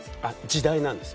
時代なんです。